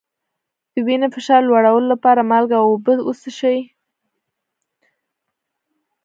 د وینې فشار لوړولو لپاره مالګه او اوبه وڅښئ